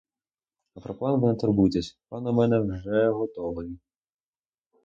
А про план ви не турбуйтеся, план у мене вже готовий.